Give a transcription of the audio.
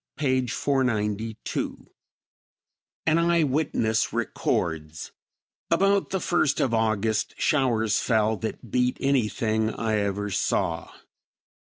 p. 492. An eye witness records: "About the first of August showers fell that beat anything I ever saw.